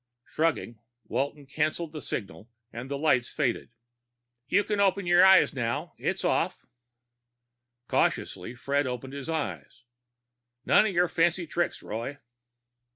Shrugging, Walton canceled the signal and the lights faded. "You can open your eyes, now. It's off." Cautiously Fred opened his eyes. "None of your fancy tricks, Roy!"